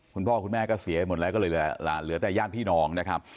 คุณพ่อคุณแม่ก็เสียหมดแล้วก็เลยเหลือแต่ญาติพี่น้องนะครับ